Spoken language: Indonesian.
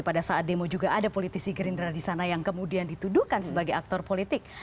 pada saat demo juga ada politisi gerindra di sana yang kemudian dituduhkan sebagai aktor politik